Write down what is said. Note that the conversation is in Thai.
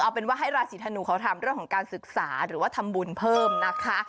เอาเป็นว่าให้ราศีธนูเขาทำเรื่องของการศึกษาหรือว่าทำบุญเพิ่มนะคะ